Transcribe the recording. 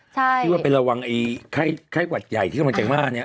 ที่ว่าไประวังไอ้ไข้หวัดใหญ่ที่กำลังจะว่าเนี่ย